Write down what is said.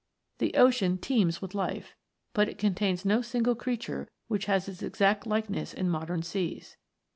The ocean teems with life, but it contains no single creature which has its exact likeness in modern seas.